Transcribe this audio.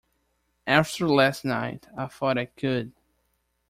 After last night, I thought I could.